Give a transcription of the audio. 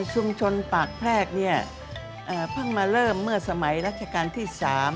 ชุมชนปากแพรกเนี่ยเพิ่งมาเริ่มเมื่อสมัยรัชกาลที่๓